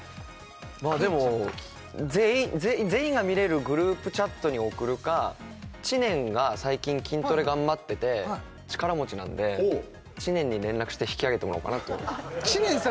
まあでも全員が見れるグループチャットに送るか知念が最近筋トレ頑張ってて力持ちなんで知念に連絡して引き上げてもらおうかなと知念さん